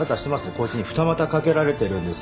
こいつに二股かけられてるんですよ。